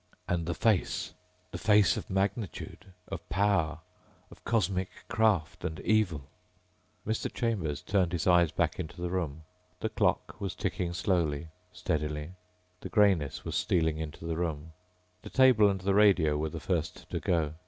And the face ... the face of magnitude ... of power of cosmic craft and evil.... Mr. Chambers turned his eyes back into the room. The clock was ticking slowly, steadily. The greyness was stealing into the room. The table and radio were the first to go.